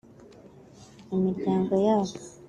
imiryango yabo